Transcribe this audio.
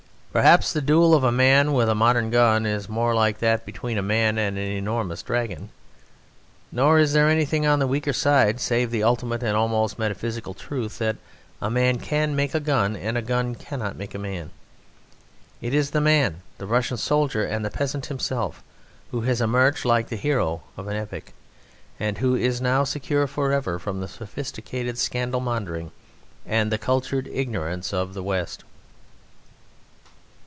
Perhaps the duel of a man with a modern gun is more like that between a man and an enormous dragon; nor is there anything on the weaker side save the ultimate and almost metaphysical truth, that a man can make a gun and a gun cannot make a man. It is the man the Russian soldier and peasant himself who has emerged like the hero of an epic, and who is now secure for ever from the sophisticated scandal mongering and the cultured ignorance of the West.